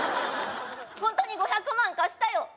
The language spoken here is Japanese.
ホントに５００万貸したよ